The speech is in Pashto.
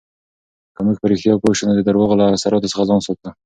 که موږ په رښتیا پوه شو، نو د درواغو له اثراتو څخه ځان ساتو.